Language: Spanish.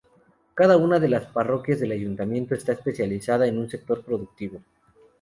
Cada una de las parroquias del ayuntamiento está especializada en un sector productivo.